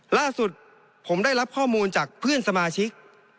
ล่าสุดผมได้รับข้อมูลจากเพื่อนสมาชิก